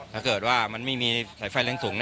ถ้าเกิดว่ามันไม่มีสายไฟแรงสูง